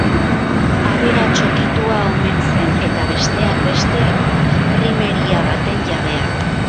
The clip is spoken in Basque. Aberats okitua omen zen, eta besteak beste, inprimeria baten jabea.